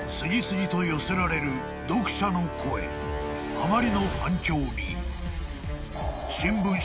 ［あまりの反響に］